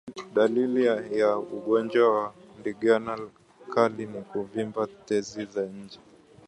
Dalili muhimu ya ugonjwa wa ndigana kali ni kuvimba tezi za nje